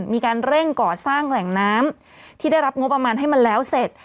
มีการเร่งก่อสร้างแหล่งน้ำที่ได้รับงบประมาณให้มันแล้วเสร็จ